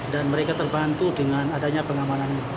dan mereka terbantu dengan adanya pengamanan ini